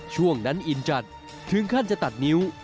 ช่วงนั้นอินจัดถึงขั้นจะตัดนิ้ว